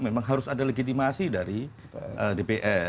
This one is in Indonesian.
memang harus ada legitimasi dari dpr